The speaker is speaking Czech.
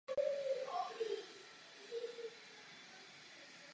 Jako dospívající dívka se vrátila s rodinou do Neapole.